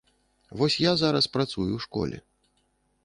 Вось я зараз працую ў школе.